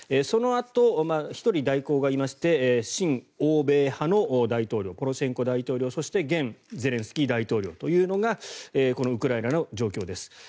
そのあと１人、代行がいまして親欧米派の大統領ポロシェンコ大統領、そして現ゼレンスキー大統領というのがこのウクライナの状況です。